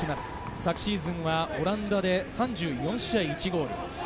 昨シーズンはオランダで３４試合１ゴール。